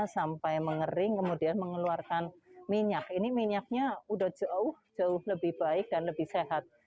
sampai mengering kemudian mengeluarkan minyak ini minyaknya udah jauh jauh lebih baik dan lebih sehat